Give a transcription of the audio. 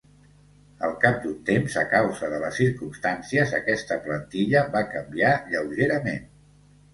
Al cap d'un temps, a causa de les circumstàncies, aquesta plantilla va canviar lleugerament.